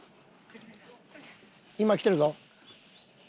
今きてるぞ。